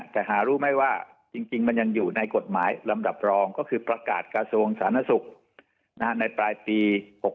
แต่หารู้ไหมว่าจริงมันยังอยู่ในกฎหมายลำดับรองก็คือประกาศกระทรวงสาธารณสุขในปลายปี๖๖